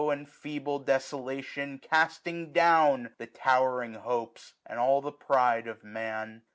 And feeble desolation, casting down The towering hopes and all the pride of Man.